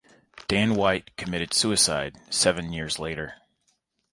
Dan White committed suicide seven years later.